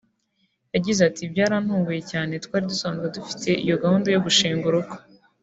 yagize ati “Byaranuguye cyane twari dusanzwe dufite iyo gahunda yo gushinga urugo